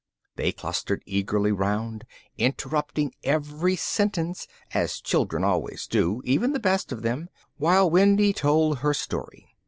They clustered eagerly round, interrupting every sentence, as children always do, even the best of them, while Wendy told her story.